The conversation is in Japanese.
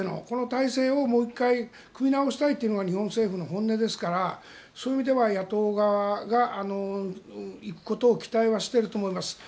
この体制をもう一回組み直したいのが日本政府の本音ですからそういう意味では野党側が行くことを期待していると思います。